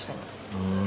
ふん。